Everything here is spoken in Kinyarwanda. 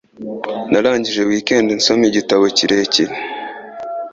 Narangije weekend nsoma igitabo kirekire.